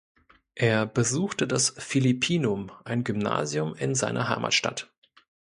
Er besuchte das Philippinum, ein Gymnasium in seiner Heimatstadt.